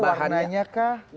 bahannya warnanya kah